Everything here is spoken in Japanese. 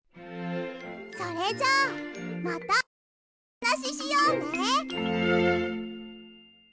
それじゃあまたおはなししようね！